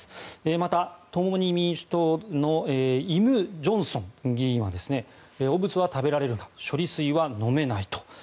また、共に民主党のイム・ジョンソン議員は汚物は食べられるが処理水は飲めないと。